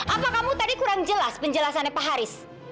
apa kamu tadi kurang jelas penjelasannya pak haris